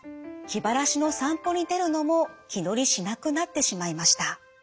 気晴らしの散歩に出るのも気乗りしなくなってしまいました。